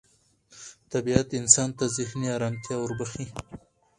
طبیعت انسان ته ذهني ارامتیا وربخښي